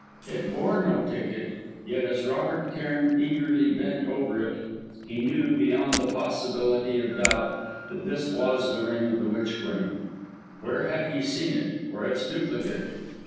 It bore no ticket, yet as Robert Cairn eagerly bent over it, he knew, beyond the possibility of doubt, that this was the ring of the Witch Queen. Where had he seen it, or its duplicate?